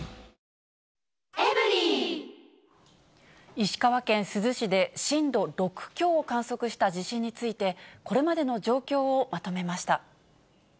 石川県珠洲市で震度６強を観測した地震について、これまでの状況をまとめました。